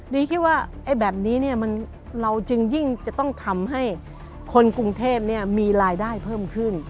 ีคิดว่าแบบนี้เราจึงยิ่งจะต้องทำให้คนกรุงเทพมีรายได้เพิ่มขึ้น